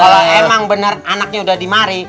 kalo emang bener anaknya udah dimari